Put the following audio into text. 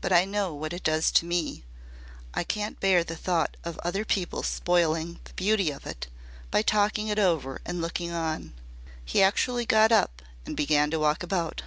But I know what it does to me. I can't bear the thought of other people spoiling the beauty of it by talking it over and looking on." He actually got up and began to walk about.